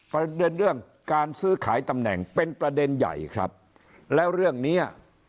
ประเด็นเรื่องการซื้อขายตำแหน่งเป็นประเด็นใหญ่ครับแล้วเรื่องเนี้ย